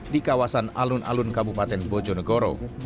di kawasan alun alun kabupaten bojonegoro